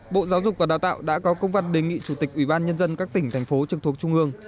bộ giáo dục và đào tạo đã có công văn đề nghị chủ tịch ủy ban nhân dân các tỉnh thành phố trực thuộc trung ương